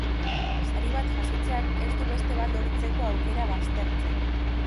Sari bat jasotzeak ez du beste bat lortzeko aukera baztertzen.